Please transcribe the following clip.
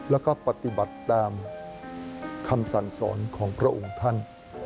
แล้วก็ปฏิบัติตามคำสั่งสอนของพระองค์ท่าน